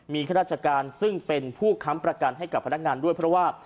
มีข้าราชการซึ่งเป็นผู้ค้ำประกันให้กับพนักงานด้วยเพราะว่า